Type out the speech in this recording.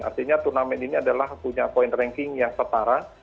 artinya turnamen ini adalah punya point ranking yang setara